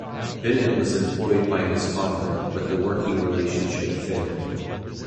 Bennett was employed by his father, but the working relationship failed.